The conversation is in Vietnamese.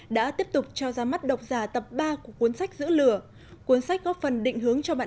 đã tiếp tục cho ra mắt độc giả tập ba của cuốn sách giữ lửa cuốn sách góp phần định hướng cho bạn